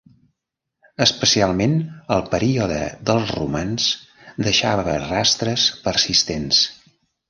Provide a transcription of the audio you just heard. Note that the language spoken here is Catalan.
Especialment el Període dels romans deixava rastres persistents.